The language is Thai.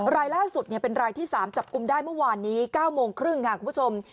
รายล่าสุดเป็นรายที่๓จับกลุ่มได้เมื่อวานนี้๙โมงครึ่งค่ะคุณผู้ชม